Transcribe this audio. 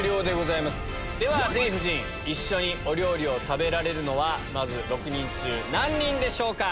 ではデヴィ夫人一緒にお料理を食べられるのはまず６人中何人でしょうか？